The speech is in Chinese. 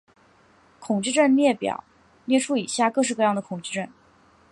恐惧症列表列出以下各式各样的恐惧症。